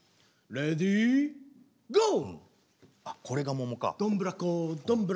レディーゴー！